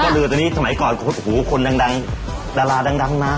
คนก็ลือกตัวนี้สมัยก่อนก็คือหูยคนดังดาราดังมา